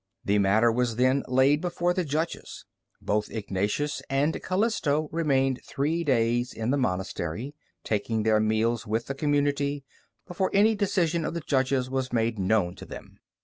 The matter was then laid before the judges. Both Ignatius and Calisto remained three days in the monastery, taking their meals with the community, before any decision of the judges was made known to them.